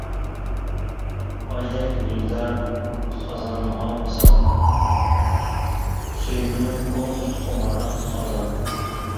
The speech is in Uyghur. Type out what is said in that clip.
ئايدەك يۈزلەر خازانغا مىسال، سۆيگۈنۈم ئۇ خۇمارلىق ئازاب.